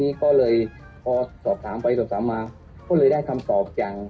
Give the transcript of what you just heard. นี้ก็เลยพอสอบถามไปสอบถามมาก็เลยได้คำตอบอย่าง